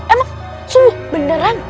emang sungguh beneran